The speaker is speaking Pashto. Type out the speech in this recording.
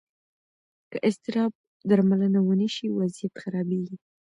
که اضطراب درملنه ونه شي، وضعیت خرابېږي.